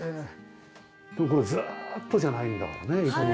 でもこれずっとじゃないんだもんね。